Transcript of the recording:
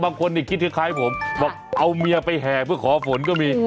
บางคนคิดคล้ายผมบอกเอาเมียไปแห่เพื่อขอฝนก็มี